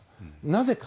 なぜか。